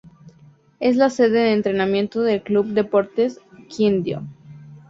Es la sede de entrenamiento del club Deportes Quindío.